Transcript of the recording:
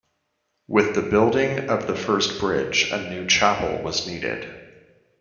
With the building of the first bridge, a 'new' chapel was needed.